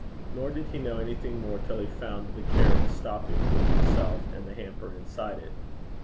Nor did he know anything more till he found the carriage stopping with himself and the hamper inside it.